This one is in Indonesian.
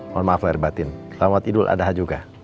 mohon maaf lahir batin selamat idul adha juga